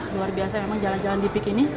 luar biasa emang jalan jalan di pik ini